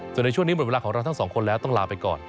ส่วนในช่วงนี้หมดเวลาของเราทั้งสองคนแล้วต้องลาไปก่อน